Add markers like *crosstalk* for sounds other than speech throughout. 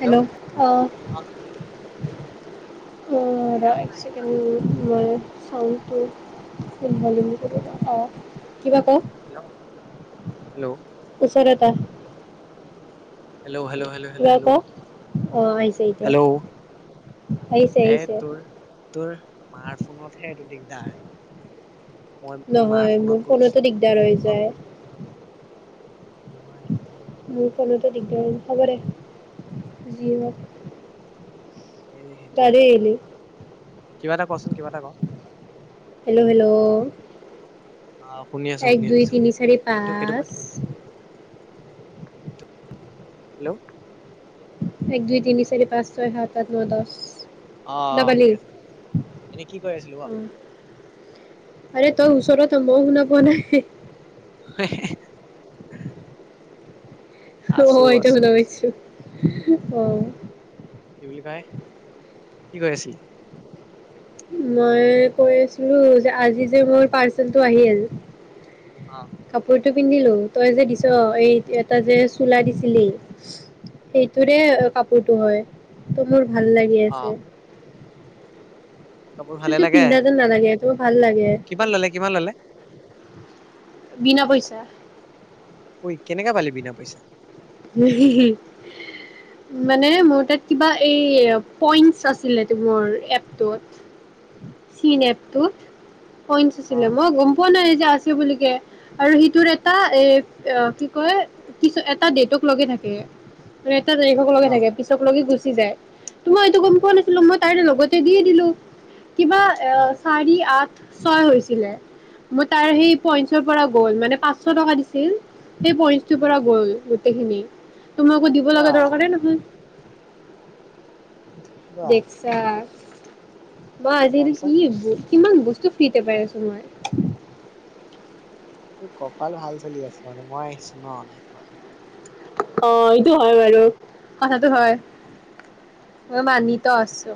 Hello অ। ৰ এক চেকেণ্ড, মই চাউণ্ডটো। *unintelligible* কোনো ফালে কলো ত অ কিবা ক? ঠিক আছে। *unintelligible* কোৱো অক, অ আহিছে এতিয়া। আহিছে এ আহিছে তোৰ তোৰ মাৰ ফোনতহে এইটো আহে। মই মোৰ মাৰ নহয় মোৰ ফোনত ফোনতো কৰিছিলো, দিগদাৰ তোৰ হৈ যায় ফোনত কৰি। নহয়তটো *unintelligible* মোৰখনতো, দিগদাৰ সবদে, অ জিহক। এই, সেইটোৱে আৰু। কিবা এটা কচোন, কিবা এটা ক। হেল্ল' হেল্ল' আহ শুনি আছো এক শুনি দুই আছো, তিনি চাৰি এইটো এইটো মই পাঁচ থৈ দিছো। হেল্ল' এক দুই তিনি চাৰি পাঁচ ছয় সাত আঠ ন দহ। আহ পালি ঠিক আছে ঠিক, মানে কি কৰি আছিলি ক। অঁ আৰে তই ওচৰত মই শুনা পোৱা নাই। সে। অ এইটো শুনা পাইছো, আহ। কি বুলি কয় কি কৰি আছিলি। মই কৈ আছিলো যে, আজি যে মোৰ পাৰ্চেলটো আহিল। অ কাপোৰ পিন্ধিলো তই যে দিছ, এই এটা যে চোলা দিছিলি সেইটোৰে কাপোৰতটো হয় ত মোৰ। ভাল লাগি অ আছে কাপোৰ ভালে একোটো লাগে পিন্ধা যেন নালাগে, মোৰ ভাল লাগে। কিমান ললে কিমান ললে বিনা পইচা ঐ কেনেকা পালি বিনা পইচাত। হিহি, মানে মোৰ তাত কিবা এই পইন্ট আছিল দিবৰ এপটোত চিন এপটোত। পইন্ আছিলে অ', মই গম পোৱা নাই যে আছে বুলিকে। আৰু সিটোৰ এটা এ কি কয় কিু এটা ডটত লগে থাকে ৰে তাৰিখক লগে অ'। থাক পিছকে গুছি তোমাৰ এইটো গম পোৱা নাছিলো মই তাই লগতে দিয়ে দিলো। কিবা এ উম, চাৰি আঠ ছয় হৈছিলে মোৰ তাৰ সেই পইন্টৰ পৰা গ'ল মানে পাঁচশ টকা দিছিল। সেই পইণ্টটোৰ উম। পৰা গ'ল। তিখিনি তোমাক আকৌ দিব লগা বাহ, দৰকাৰেই নহয়। বাহ দেখছা মই আজিৰ তাৰপিছত কি কিমান বস্তু কি ফ্ৰীতে পাই আছো মই এই কপাল ভাল চলি আছে, মই আহিছো ন। অ এইটো হয় বাৰু কথাটো হয়, মানিটো আছো।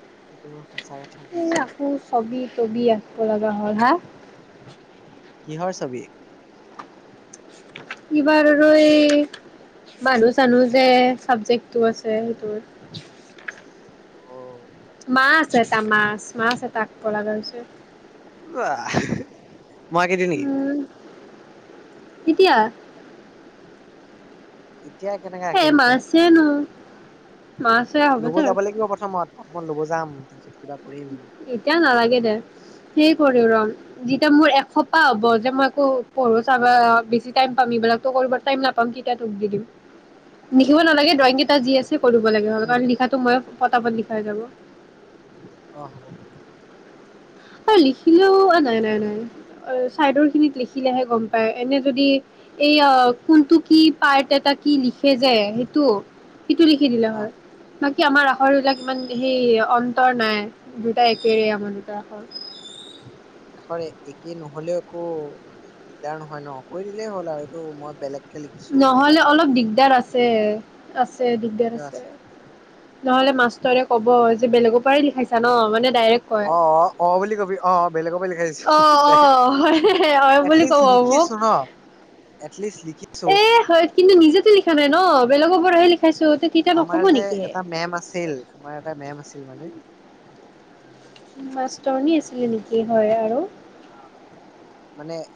*unintelligible* এ কৈছো। আকৌ চবি ছবি আঁকিব লগা হ'ল হা কিহৰ ছবি কিবাৰ আৰু এই মানু চানো যে চাবজেক্টটো আছে সেইটো অ'। মাছ এটা মাছ, মাছ এটা আকব লগা হৈছে। বাহ মই আকি দি নেকি? এতিয়া এতিয়া কেনেকে এ আঁকিম ক? মাছেনো মাছে হ'বতো। শপত ল'ব যাম। কিবা কৰিম। এতিয়া নালাগে দে সেই কৰি ৰম। তেতিয়া মোৰ এসোপো হ'ব যে মই আকৌ পঢ়ো চাব বেছি টাইম পাম এইবিলাক ত কৰিব টাইম নাপাম তেতিয়া তোক দি দিম। লিখিব নালাগে ড্ৰয়িং অকে, কেইটা যি আছে কৰিব লাগে উম, কাৰণ উম, লিখাটো মই পতা পত লিখাই যাব আহ হ ই লিখিলেও নাই নাই নাই চাইডৰ খিনিত লিখিলেহে গম পায় এনে যদি এই কোনটো কি পাৰ্ট এটা কি লিখে যে সেইটো সিটো লিখি দিলে অ', হয় বাক কি আমাৰ আখৰবিলাক ইমান সেই অন্তৰ নাই দুটাই একেৰে আমাৰ দুটা আখৰ আখৰ একেই নহলে একো মানে দিগদাৰ নহয় ন কৰি দিলেই হ'ল আৰু এইটো মই বেলেগ লিখিছো নহলে অলপ হাতেদি দিগদাৰ আছে আছ দিগদাৰ আছে নহলে মাছ তই ক'ব যে বেলেগৰ পৰাই লিখাইছা ন মানে ডাইৰেক্ট কয় অ অ অ বুলি কবি অ বেলেগ পৰা লিখাই আহছো অ অ হয় হয় বুলি এটলিষ্ট ক'ব মোক লিখিছো ন এটলিষ্ট লিখিছো এ হয় কিন্তু নিজেতো লিখা নাই ন বেলেগৰ পৰাহে লিখা আমাৰ যে এটা মেম আছিল আমাৰ এটা মেম আছিল আছিল মানে মাষ্টৰণী আছিলে নেকি হয় আৰু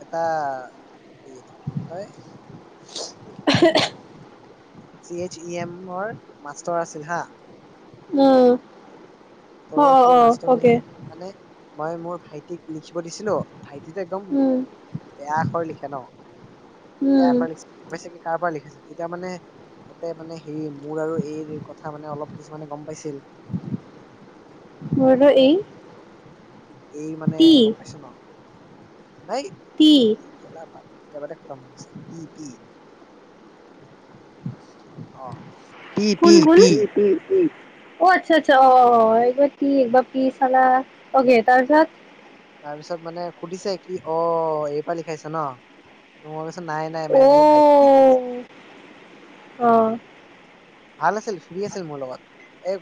তাৰ কি কয় *inaudible* চি এইচ ই এম ৰ মাষ্টৰ আছিল হা অ অ' সি মাষ্টৰনী যে মানে মই মোৰ ভাইটিক লিখিব দিছিলো ভাইটিটো একদম উম বেয়া আখৰ লিখে ন বেয়া উম আখৰ লিখ কাৰ পৰা লিখাইছ তেতিয়া মানে ততে মানে হেৰি মোৰ আৰু এই কথা মানে অলপ কিছুমানে গম পাইছিল মোৰ এই এই মানে টি গম পাইছে ন নাই টি কি কেলা বা কেতিয়া বাতেখটমোৱা হৈছে পি পি অ পি কোন পি কোন পি অ আচ্ছা আচ্ছা অ অ পি চলা পি তাৰপিছত তাৰ পিছত মানে সুধিছে কি অ এই পৰা লিখাইছে ন নাই নাই অ মেম ভাইটি অ ভাল আছিল ফ্ৰী আছিল মোৰ লগত এই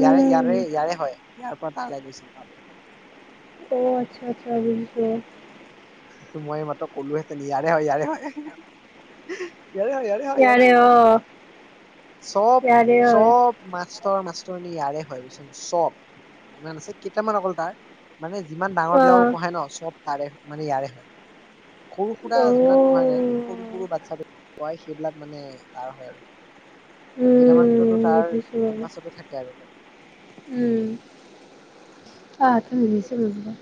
ইয়াৰে ইয়াৰে ইয়াৰে হয় ইয়াৰ পৰা তালৈ গৈছিলো আৰু অ আচ্ছা আচ্ছা বুজিছো মই মাত্ৰ ক'লোহেতেন ইয়াৰে হয় ইয়াৰে হয় ইয়াৰে হয় ইয়াৰে হয় ইয়াৰে হয় চব ইয়াৰে হয় চব মাছ ট মাষ্টৰনী ইয়াৰে হয় বুজিছ ন চব ইমান আছে কেইটামান অকল তাৰ। মানে যিমান ডাঙৰ বিলাগক পঢ়ায় ন চব আৰে। মানে ইয়াৰে হয়। সৰু সুৰা অ যিবিলাক পঢ়াই নাই সৰু অ সৰু বাচ্ছাবিলাক। প্ৰায় সেইবিলাক মানে তাৰ হয় আৰু। উম কেইটামানততো তাৰ বুজিছো বাৰু কেম্পাছতে থাকে আৰু। অ *inaudible* সেইটোৱে *unintelligible* *inaudible* *unintelligible*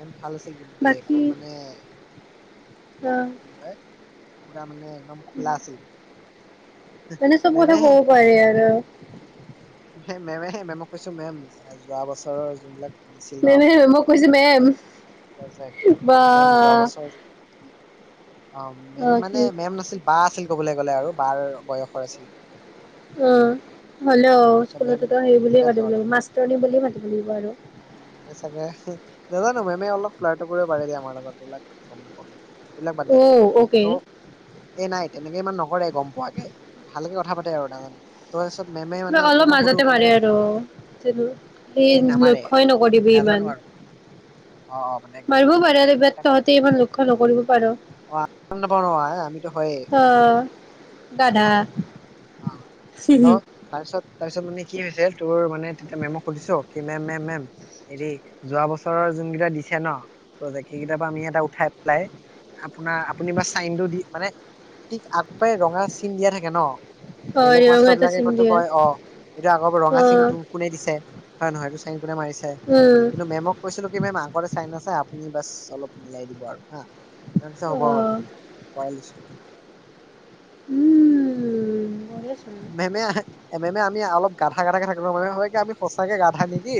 এম। ভাল আছিল কিন্তু দেই একদম মানে। অ সায়। পুৰা মানে। একদম খোলা আছিল। মানে চব কথা মেমেহে ক'ব পাৰি আৰু। হে মেমে হে মেমক কৈছো মেম যোৱা বছৰৰ যোনবিলাক। আছিল ন মেমে আপুনি মই কৈছো মেম পজেট বা মেম যোৱা বছৰ অ মেম মানে মেম নাছিল বা আছিল। ক'বলৈ গ'লে আৰু বাৰ বয়সৰ আছিল। উম। হ'লেও অ ত মেম স্কুলতো হে বুলিয়ে তেতিয়াতো মাতিব আৰু লাগিব মাষ্টৰ নি বুলিয়ে মাতিব লাগিব আৰু। অ', মেমে চাগে নাজানো মেমে অলপ ফ্লাইটো কৰিব পাৰে দিয়ে আমাৰ লগত এইবিলাক গম। এইবিলাক বাদদে অ অকে টপ এই নাইট। তেনেকে ইমান নকৰে গম পোৱাকে ভালকে কথা পাতে আৰু নাজানো তাচপাত। মেমে মানে। অলপ মেমক সুধো মাজতে কিনে মাৰে আৰু যে মোক সেই এই নামাৰে লক্ষ্যই নকৰিবি নাজানো ইমান। আৰু অ', অ', মানে একদম মাৰিবও ফ্ৰী পাৰে আৰু বাত তহঁতে ইমান লক্ষ্য নকৰিব পাৰ। আ নাপাওঁ নহয় আমিতো হয়েই অ গ গাধা *unintelligible* অ ত তাৰপিছত তাই। তাৰপিছত মানে কি হৈছে শেখ দূৰৰ মানে তেতিয়া মেমক সুধিছো কি মেম মেম মেম হেৰি যোৱা বছৰৰ যোন কেইটা দিছে ন প্ৰজেক সেইকেইটাৰ পৰা আমি এটা উঠাই পেলাই আপোনাৰ আপুনি বা চাইনটো দি মানে ঠিক আগ ৰঙা চিন দিয়া থাকে ন অ বেলেগ মাষ্টৰ এটা চিন বিলাকেতো দিয়ে কয় অ এইটো আগৰ ৰঙা অ চিনটো কোনে দিছে। হয় নহয়টো চাইন। কোনে মাৰিছে উম কিন্তু মেমক কৈছিলো কি মেম আগতে চাইন আছে আ। শুনি বাছ অলপ মিলাই দিব আৰু হা। ত পিছে হ'ব হ'ব আৰু তেনেকে পোৱাই লৈছো? উম উম। মেমে আহা। মেমেলপ গাধা গাধা থাকিব মানে হয় আমি? সঁচাকে গাধা নেকি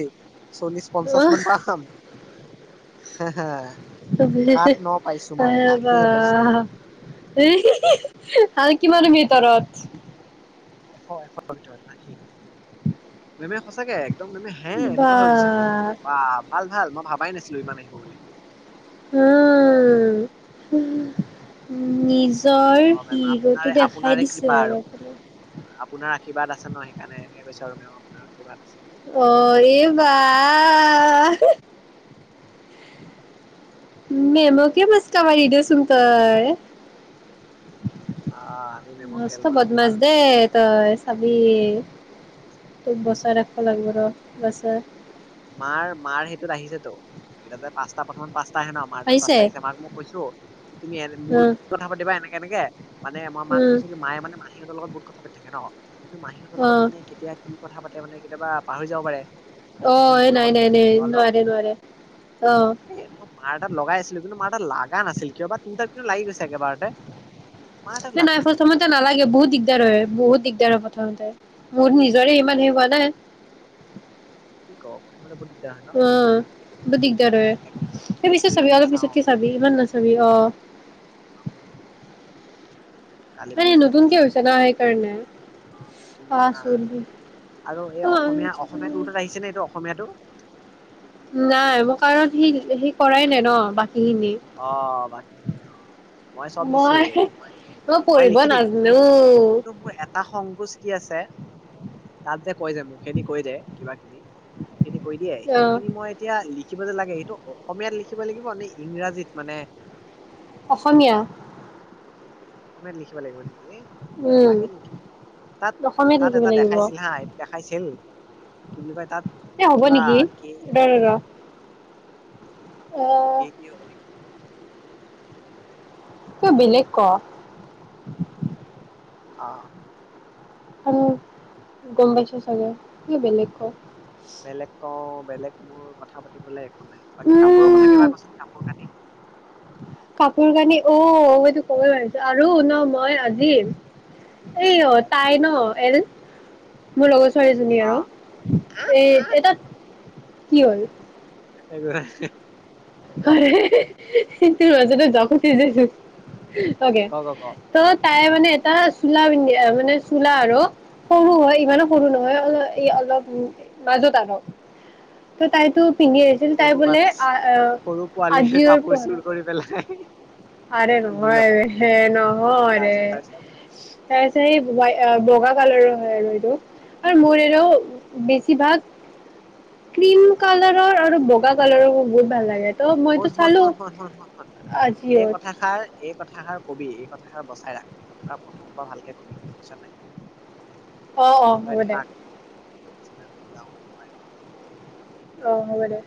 চল্লিশ পঞ্চাশ মান পাম হ হ সাত ন পাইছো মই আশীয়ে পাইছো মই আশী? আ হা আৰু কিমান ভিতৰত? এশ এশতৰ ভিতৰত আশী? তুমি সঁচাকে এক। একদম মেমে হে বা এনেকুৱা হৈ গৈছে শুনি পেলাই বা ভাল ভাল মই ভাবাই নাছিলো ইমান আহিব বুলি? নিজে। অ মেম আপোনাৰ আপোনাৰে কৃপা আৰু আপোনাৰ আশীৰ্বাদ আছে ন সেইকাৰণে এনেকে কৈছো আৰু মেম। আপোনাৰশীৰ্বাদ আছে? অ এই বা। মেমকে মচকা মাৰি দেচোন তই? আহ আমি মেমক তেল মস্ত মাৰাত ভাল বদমছ দে ত। আবি। তত বচাই ৰাখিব তেল লাগিব ৰ। উ। মাৰ মাৰ সেইটোত আহিছেতো এইেই যে পাঁচটা প্ৰথমমান পাঁচ? প হয়ে ন মাৰত আহিছে পাঁচটা আহ দিছে মাক মই কৈছো কি তুমি মোৰ উম কথা পাতিবা এনেকে এনেকে মানে মই মাক উম কৈছো কি মায়ে মানে মাহহতৰ লগত। কথা পাতি থাকে ন। কিন্তু মাহীহঁতৰ অ। লগত মানে কেতিয়া কি কথা পাতে মানে? কেতিয়াবা পাহৰি যাব পাৰে? মই কৈছো অ। এই মোৰ নাই লগত নাই কথা নাই পাতিবা নোৱাৰে নোৱাৰে অ অলপ এ মই মাৰ এাত লগাই আছিলো কিন্তু মাৰ তাত লগা নাছিল কিয় বা তোৰ তাক। তোৰ লাগি গৈছে যাগে একেবাৰতে? মাৰ তাত নাই লাগা নাই প্ৰথমত কি নালাগে বহুত দিগদাৰ হয় বহুত দিগদাৰ। তে আৰু প্ৰথমতে মোৰত নিজৰে ইমান হেৰি হোৱা নাই? কি ক প্ৰানে ব। অ ব দিগদাৰ হয় এক এই এক পিছেত দুই চাবি দিন অলপ পিছত চাওঁ কি চাবি ইমান নাচাবি অ। কালি পৰহি মানে নতুনকে চাম হৈছে ন সেইকাৰণে পা আহা চুল আৰু এই অ অসমীয়া চলি অসমীয়া তাত আহিছে ন এইটো অসমীয়াটো? নাই মোৰ কাৰণ সি সি কৰাই নাই ন। খিনি অ ভখিনি অ মই চব দিছো মই মই পঢ়িব লিখি দিম নাজানো কিন্তু মোৰ এটা সংকোচ কি আছে তাত যে কৈ দে মুখে দি কৈ দে কিবা কিবি মুখে দি কৈ দিয়ে অ সেইখিনি মই এতিয়া লি লিখিব যে লাগে এইটো অসমীয়াত লিখিব লাগিব নে ইংৰাজীত মানে অসমীয়া অসমীয়াত লিখিব লাগিব নেকি এ ন উম নাপাগে নেকি তাত অসমীয়াত তাত লিখিব এটা লাগিব দেখাইছিল হা এইটো দেখাইছিল কি বুলি কয় তাত এ হ'ব কিবা নেকি কি ৰ ৰ ৰ এ কি কি হ'ব নেকি ক কি বেলেগ ক *unintelligible* অ আৰু গম পাইছো চাগে কি বেলেগ ক বেলেগ ক বেলেগ মোৰ কথা পাতিবলৈ এক নাই বাকী কাপোৰৰ কথা উম কিবা কচোন কাপোৰ কানি কাপোৰ কানি অ সেইতটো ক'বই ভাৰিছো আৰু ন মই আজি এই অ তাই ন এদ মোৰ লগত ছোৱাজনী অ আৰু এই এটা কি হ'ল এক হয় মাজা যখতে যেছ অকে ক ক ক ত তাই মানে এটা চোলা পিন্ধ মানে চোলা আৰু সৰু হয় ইমানো সৰু নহয় অ অলপ মাজত আৰু ত তাইতো পিন্ধি আহিছিল তাই সৰু বাট বোলে আহ আহ সৰু পোৱালিে কাপোৰ চোৰ কৰি পেলাই *unintelligible* আৰে পিন্ধি লয় নহয় হে নহয় ৰে তাৰপিছত তাৰপিছত *unintelligible* তাৰপিছত সেই এ বগা কালাৰো হয় আৰু এইটো আৰু মোৰ এইটো বেছিভাগ ক্ৰীম অ কালাৰৰ আৰু বগা কালাৰো বহুত ভাল লাগে ত' মইতো শুন শুন চালো শুন শুন শুন শুন শুন এই আজিঅ'ত কথাষাৰ এই কথাষাৰ কবি কথাষাৰ বচাই ৰাখ আৰু প্ৰথমবাৰ ভালকে কবি বুজিছা নাই। অ অ হ'ব দে। চনে ম‌ই যাওঁ বাই। অহ সব দে।